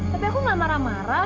tapi aku gak marah marah